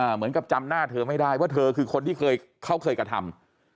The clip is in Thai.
เหมือนกับจำหน้าเธอไม่ได้ว่าเธอคือคนที่เขาเคยกระทำ